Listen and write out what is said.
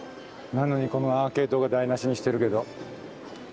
なのにこのアーケードが台なしにしてるけど。